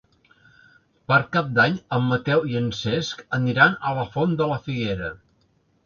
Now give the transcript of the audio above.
Per Cap d'Any en Mateu i en Cesc aniran a la Font de la Figuera.